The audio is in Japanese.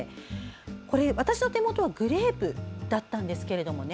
これ、私の手元にあるのはグレープだったんですけどもね。